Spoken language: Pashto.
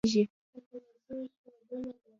د طبیعت قوې د بشریت د ګټې لپاره کاریږي.